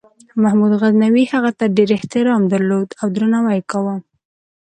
محمود غزنوي هغه ته ډېر احترام درلود او درناوی یې کاوه.